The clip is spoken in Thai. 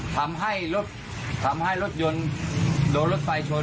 ทำให้รถยนต์โดนรถไฟชน